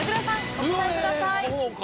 お答えください。